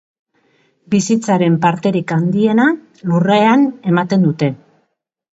Bizitzaren parterik handiena lurrean ematen dute.